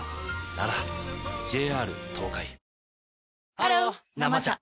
ハロー「生茶」